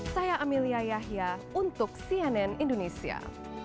saya amelia yahya untuk cnn indonesia